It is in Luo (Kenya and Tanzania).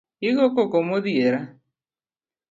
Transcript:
Igokoko modhiera